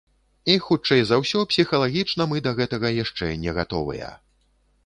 І, хутчэй за ўсё, псіхалагічна мы да гэтага яшчэ не гатовыя.